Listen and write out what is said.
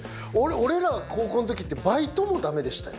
俺らが高校のときってバイトもダメでしたよ。